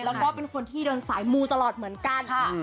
แล้วก็เป็นคนที่เดินสายมูตลอดเหมือนกัน